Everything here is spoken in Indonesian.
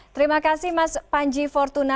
terima kasih mas panji fortuna